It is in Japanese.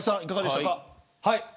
いかがでしたか。